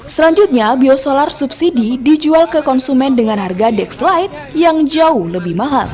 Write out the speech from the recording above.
selanjutnya biosolar subsidi dijual ke konsumen dengan harga dexlite yang jauh lebih mahal